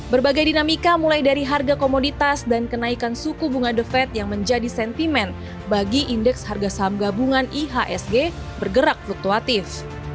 berbagai dinamika mulai dari harga komoditas dan kenaikan suku bunga the fed yang menjadi sentimen bagi indeks harga saham gabungan ihsg bergerak fluktuatif